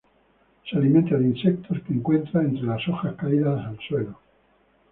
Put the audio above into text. Se alimenta de insectos, que encuentra entre las hojas caídas al suelo.